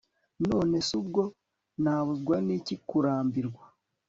none se ubwo nabuzwa n'iki kurambirwa